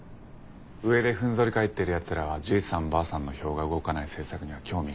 上でふんぞり返ってる奴らはじいさんばあさんの票が動かない政策には興味がない。